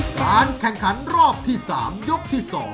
การแข่งขันรอบที่๓ยกที่๒